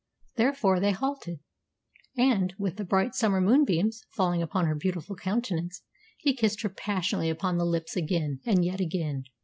Therefore they halted, and, with the bright summer moonbeams falling upon her beautiful countenance, he kissed her passionately upon the lips again and yet again.